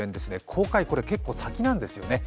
公開、これ結構先なんですね。